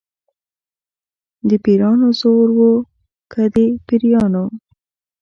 د پیرانو زور و که د پیریانو.